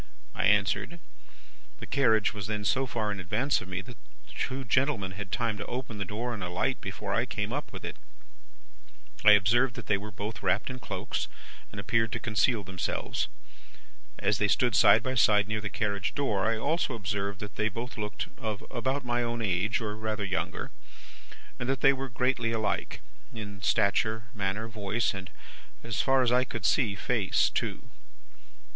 I answered. The carriage was then so far in advance of me that two gentlemen had time to open the door and alight before I came up with it. "I observed that they were both wrapped in cloaks, and appeared to conceal themselves. As they stood side by side near the carriage door, I also observed that they both looked of about my own age, or rather younger, and that they were greatly alike, in stature, manner, voice, and (as far as I could see) face too.